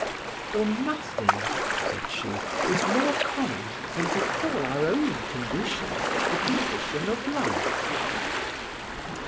"For nothing," said she, "is more common than to call our own condition the condition of life."